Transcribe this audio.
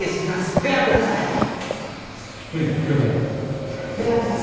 ペアンください。